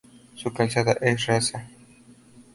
Su calzada es rasa.